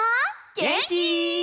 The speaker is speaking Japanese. げんき？